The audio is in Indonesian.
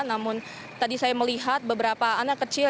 namun tadi saya melihat beberapa anak kecil